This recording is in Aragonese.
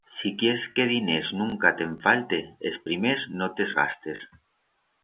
Si quiers que diners nunca te'n falte, es primers no te's gastes